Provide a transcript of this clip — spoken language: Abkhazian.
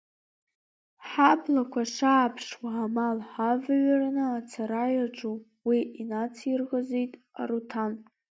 Ҳаблақәа шааԥшуа амал ҳавыҩрны ацара иаҿуп, уи инаицирӷызит Аруҭан.